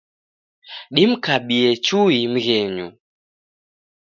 Dimkabie chui mghenyu.